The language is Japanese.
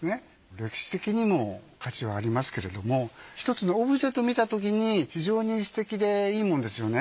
歴史的にも価値はありますけれども１つのオブジェと見たときに非常にすてきでいいものですよね。